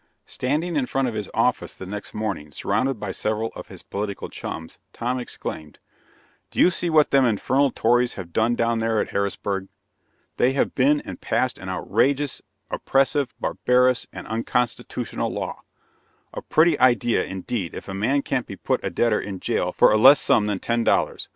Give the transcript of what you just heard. Standing in front of his office the next morning, surrounded by several of his political chums, Tom exclaimed: "Do you see what them infernal tories have done down there at Harrisburg? They have been and passed an outrageous, oppressive, barbarous, and unconstitutional law! A pretty idea, indeed, if a man can't put a debtor in jail for a less sum than ten dollars!